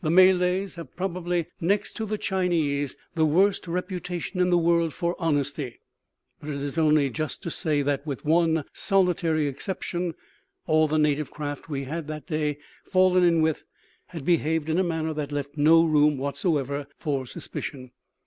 The Malays have probably, next to the Chinese, the worst reputation in the world for honesty; but it is only just to say that, with one solitary exception, all the native craft we had that day fallen in with had behaved in a manner that left no room whatever for suspicion.